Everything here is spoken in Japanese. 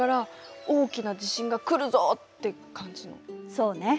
そうね。